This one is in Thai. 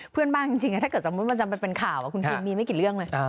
เพื่อนบ้านจริงถ้าเกิดสมมุติมันจะเป็นข่าวคุณคิมมีไม่กี่เรื่องเลย